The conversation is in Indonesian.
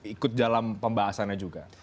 ikut dalam pembahasannya juga